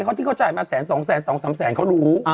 เขาที่เขาจ่ายมาแสน๒๒๓แสนเขารู้